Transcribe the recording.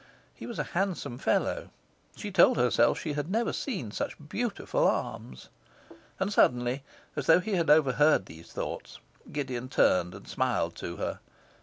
He was a handsome fellow; she told herself she had never seen such beautiful arms. And suddenly, as though he had overheard these thoughts, Gideon turned and smiled to her.